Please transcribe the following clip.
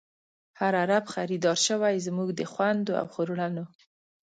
هر عرب خریدار شوۍ، زمونږ د خوندو او خور لڼو